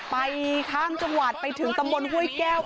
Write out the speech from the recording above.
ข้ามจังหวัดไปถึงตำบลห้วยแก้ว